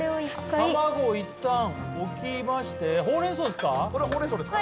卵をいったん置きましてほうれんそうですか？